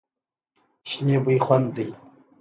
شنې بوی خوند دی.